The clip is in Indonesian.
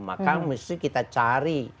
maka mesti kita cari